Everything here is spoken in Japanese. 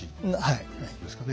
はい。